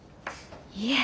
いえ。